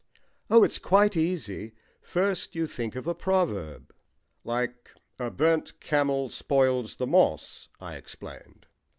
"Oh, it's quite easy. First you think of a proverb." "Like 'A burnt camel spoils the moss,'" I explained.